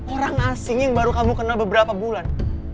orang asing yang baru kamu kenal beberapa bulan